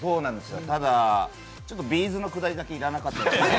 ただ、Ｂ’ｚのくだりだけ要らなかったですね。